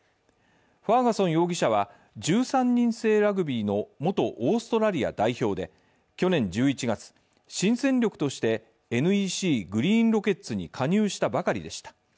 ファーガソン容疑者は１３人制ラグビーの元オーストラリア代表で、去年１１月、新戦力としてＮＥＣグリーンロケッツに加入したばかりでした。